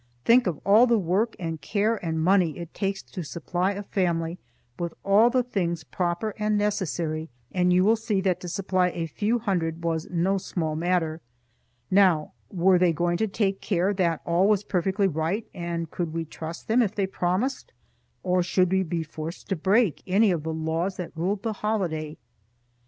Think of all the work and care and money it takes to supply a family with all the things proper and necessary, and you will see that to supply a few hundred was no small matter. Now, were they going to take care that all was perfectly right, and could we trust them if they promised, or should we be forced to break any of the laws that ruled the holiday?